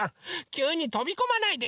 きゅうにとびこまないで。